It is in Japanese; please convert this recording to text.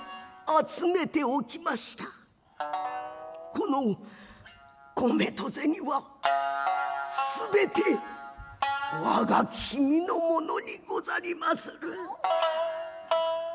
此の米と銭は全て我が君の物に御座りまする」。